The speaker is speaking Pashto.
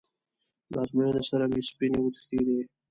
له ازموینې سره مې سپینې وتښتېدې.